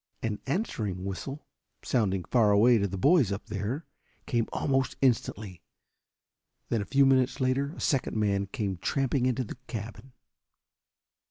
An answering whistle, sounding far away to the boys up there, came almost instantly. Then a few minutes later a second man came tramping into the cabin.